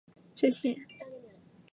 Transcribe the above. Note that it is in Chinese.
这些画是中国最著名的肖像画之一。